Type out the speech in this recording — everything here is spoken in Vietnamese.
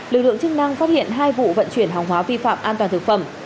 lực lượng chức năng phát hiện hai vụ vận chuyển hàng hóa vi phạm an toàn thực phẩm